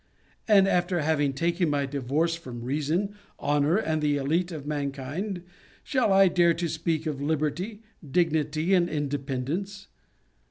And after having taken my divorce from reason, honor, and the elite of mankind, shall I dare to speak of liberty, dignity, and independence